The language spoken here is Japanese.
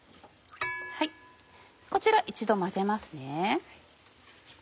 こちら一度混ぜますね。